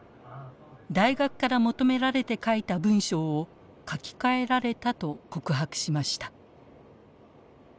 大学から求められて書いた文章を書き換えられたと告白しました。